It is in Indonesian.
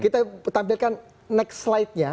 kita tampilkan next slide nya